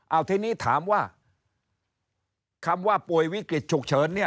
เอาทีนี้ถามว่าคำว่าป่วยวิกฤตฉุกเฉินเนี่ย